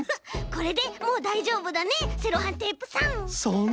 これでもうだいじょうぶだねセロハンテープさん。